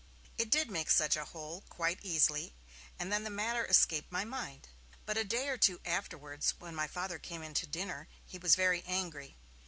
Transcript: It did make such a hole, quite easily, and then the matter escaped my mind. But a day or two afterwards, when my Father came in to dinner, he was very angry.